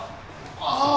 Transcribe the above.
ああ！